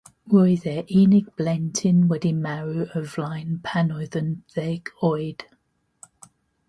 Roedd ei unig blentyn wedi marw o'i flaen pan oedd yn ddeg oed.